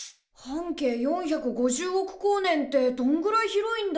半径４５０億光年ってどんぐらい広いんだろ？